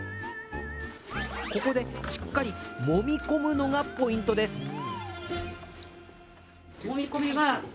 ここでしっかりもみ込むのがポイントです